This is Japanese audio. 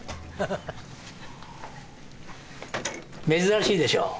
珍しいでしょう。